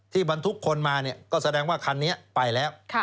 บรรทุกคนมาก็แสดงว่าคันนี้ไปแล้ว